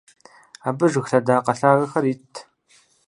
Абы жыг лъэдакъэ лъагэхэр итт.